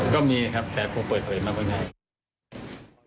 ก็มีครับแต่คงเปิดเผยมากกว่านี้